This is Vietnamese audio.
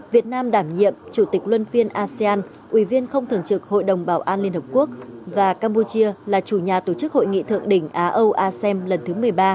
việt nam đảm nhiệm chủ tịch luân phiên asean ủy viên không thường trực hội đồng bảo an liên hợp quốc và campuchia là chủ nhà tổ chức hội nghị thượng đỉnh á âu asem lần thứ một mươi ba